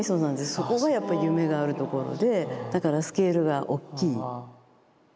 そこがやっぱり夢があるところでだからスケールがおっきい。